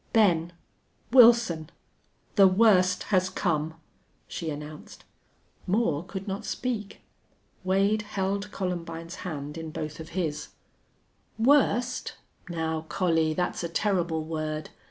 "Ben! Wilson! The worst has come!" she announced. Moore could not speak. Wade held Columbine's hand in both of his. "Worst! Now, Collie, that's a terrible word.